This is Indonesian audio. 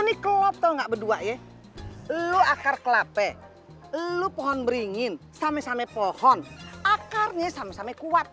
nikluar atau enggak berdua ya lu akar klappe lu pohon bringin samusame pohon akarnya samsame kuat